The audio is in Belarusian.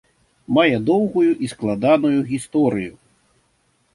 Мае доўгую і складаную гісторыю.